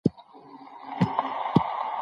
لوستې مور د ماشومانو د ؛خوړو تنوع ساتي.